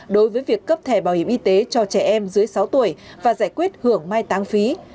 đối với việc cấp thẻ bảo hiểm y tế cho trẻ em dưới sáu tuổi và giải quyết hưởng mai táng phí